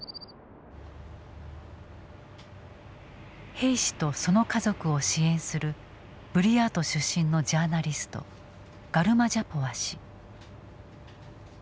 兵士とその家族を支援するブリヤート出身のジャーナリストガルマジャポワ氏。